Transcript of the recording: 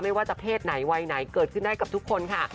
ไม่ว่าจะเพศไหนวัยไหนเกิดขึ้นได้กับทุกคนค่ะ